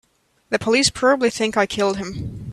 The police probably think I killed him.